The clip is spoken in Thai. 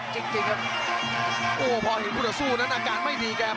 ชุมมันกำลัวล่ะครับ